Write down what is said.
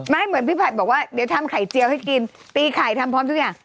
เหมือนพี่ผัดบอกว่าเดี๋ยวทำไข่เจียวให้กินตีไข่ทำพร้อมทุกอย่าง